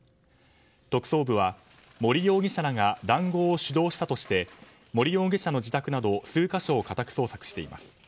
特捜部は、森容疑者らが談合を主導したとして森容疑者の自宅など数か所を家宅捜索しています。